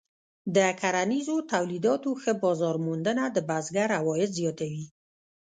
د کرنیزو تولیداتو ښه بازار موندنه د بزګر عواید زیاتوي.